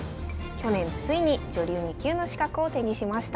去年ついに女流２級の資格を手にしました。